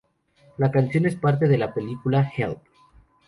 La canción es parte de la película "Help!